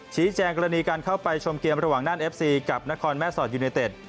ชี้แจงกรณีการเข้าไปชมเกมระหว่างด้านเอฟซีกับนครแม่สอดยูเนเต็ด